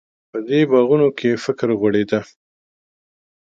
په دې باغونو کې فکر غوړېده.